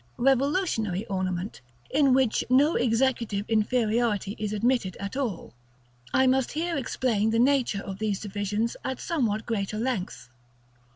Revolutionary ornament, in which no executive inferiority is admitted at all. I must here explain the nature of these divisions at somewhat greater length.